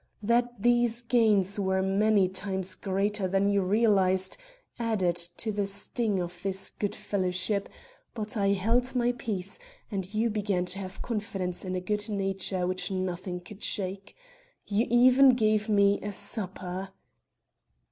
That these gains were many times greater than you realized added to the sting of this good fellowship, but I held my peace; and you began to have confidence in a good nature which nothing could shake. You even gave me a supper."